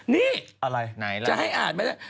นี่จะให้อ่านไหมนะ